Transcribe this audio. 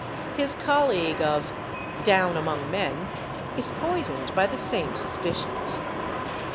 His colleague of "Down Among Men" is poisoned by the same suspicions.